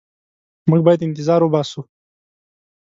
موږ باید انتظار وباسو.